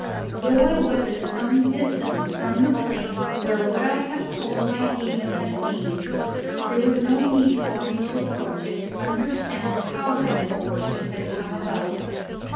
Though I was at some distance from the place where what I have called my haven had been, there was no need for me to approach it to understand how my misfortune had come about.